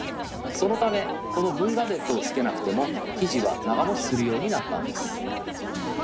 そのためこのＶガゼットをつけなくても生地は長持ちするようになったんです。